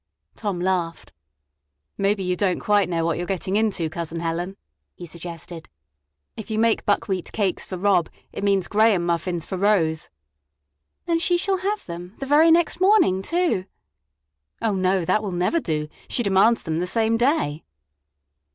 Tom laughed. "Maybe you don't quite know what you 're getting into, Cousin Helen," he suggested. "If you make buckwheat cakes for Rob it means graham muffins for Rose." "And she shall have them; the very next morning, too." "Oh, no, that will never do. She demands them the same day."